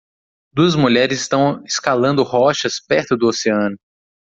Duas mulheres estão escalando rochas perto do oceano.